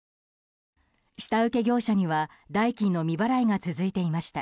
下請け業者には代金の未払いが続いていました。